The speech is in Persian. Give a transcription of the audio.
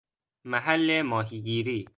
محل ماهیگیری